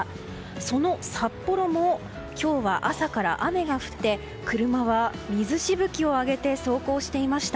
その札幌も今日は朝から雨が降って車は水しぶきを上げて走行していました。